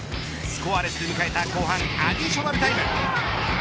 スコアレスで迎えた後半アディショナルタイム。